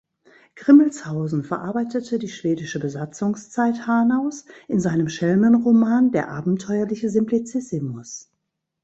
Grimmelshausen verarbeitete die schwedische Besatzungszeit Hanaus in seinem Schelmenroman "Der abenteuerliche Simplicissimus".